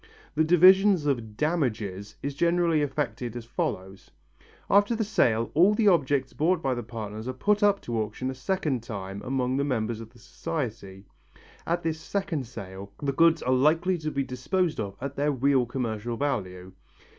The division of "damages" is generally effected as follows: After the sale all the objects bought by the partners are put up to auction a second time among the members of the society. At this second sale the goods are likely to be disposed of at their real commercial value.